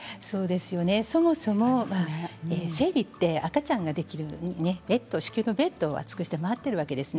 そもそも生理って赤ちゃんができるベッド、子宮のベッドを厚くして待っているわけです。